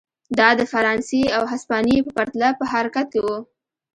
دا د فرانسې او هسپانیې په پرتله په حرکت کې و.